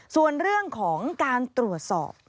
ส่วนเรื่องของการตรวจสอบ